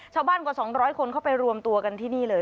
ชาวบ้านกว่า๒๐๐คนเขาไปรวมตัวกันที่นี่เลย